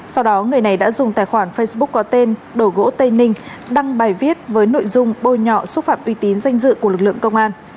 sau đó người này đã dùng tài khoản facebook có tên đồ gỗ tây ninh đăng bài viết với nội dung bôi nhọ xúc phạm uy tín danh dự của lực lượng công an